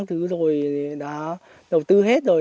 thứ rồi đã đầu tư hết rồi